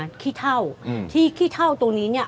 เราจะหาขี้เถ้าที่ขี้เถ้าตรงนี้เนี้ย